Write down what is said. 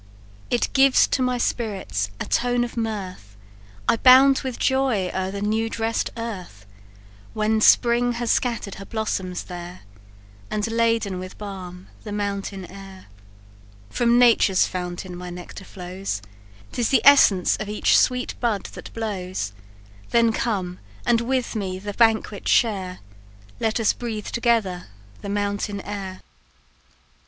"It gives to my spirits a tone of mirth I bound with joy o'er the new dress'd earth, When spring has scatter'd her blossoms there, And laden with balm the mountain air. "From nature's fountain my nectar flows, 'Tis the essence of each sweet bud that blows; Then come, and with me the banquet share, Let us breathe together the mountain air!"